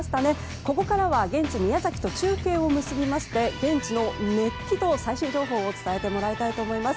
ここからは現地、宮崎と中継を結びまして現地の熱気と最新情報を伝えてもらいたいと思います。